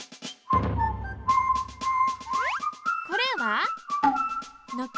これは軒。